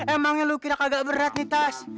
emangnya lu kira agak berat nih tas